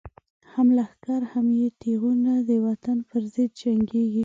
هم لښکر هم یی تیغونه، د وطن پر ضد جنگیږی